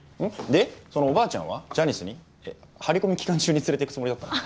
でそのおばあちゃんはジャニスに張り込み期間中に連れていくつもりだったの？